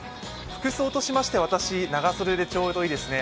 服装としまして、私、長袖でちょうどいいですね。